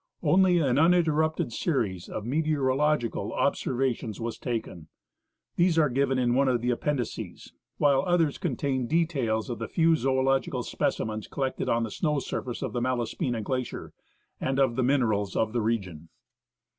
Only an uninter rupted series of meteorological ob servations was taken. These are given in one of the appendices ; while others contain details of the few zoological specimens collected on the snow surface of the Malaspina Glacier and of the minerals of the region.